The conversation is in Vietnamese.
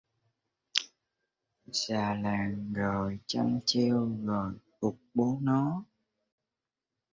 Già làng rồi chăm chiêu rồi giục bố nó